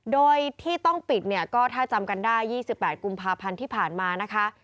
โดยที่ต้องปิดเนี่ยก็ถ้าจำกันได้๒๘กุมภาพันธ์ที่ผ่านมานะคะ